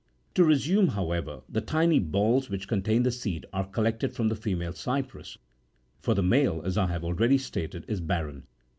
To resume, however : the tiny balls which contain the seed are collected from the female cypress — for the male, as I have already48 stated, is barren.